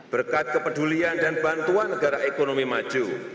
berkat kepedulian dan bantuan negara ekonomi maju